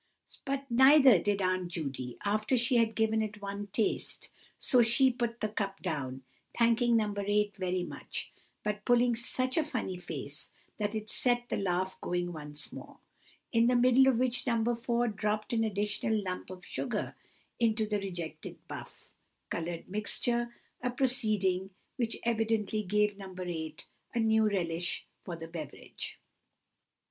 But neither did Aunt Judy, after she had given it one taste; so she put the cup down, thanking No. 8 very much, but pulling such a funny face, that it set the laugh going once more; in the middle of which No. 4 dropped an additional lump of sugar into the rejected buff coloured mixture, a proceeding which evidently gave No. 8 a new relish for the beverage.